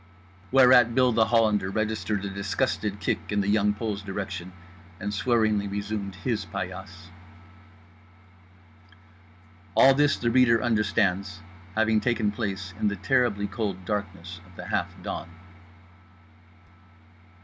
_" Whereat Bill The Hollander registered a disgusted kick in The Young Pole's direction and swearingly resumed his paillasse. All this, the reader understands, having taken place in the terribly cold darkness of the half dawn.